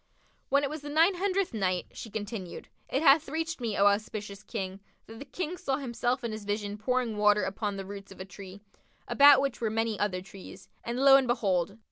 When it was the Nine Hundredth Night, She continued: It hath reached me, O auspicious King, that the King saw himself in his vision pouring water upon the roots of a tree, about which were many other trees; and lo and behold!